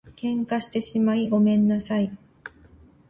喧嘩してしまいごめんなさい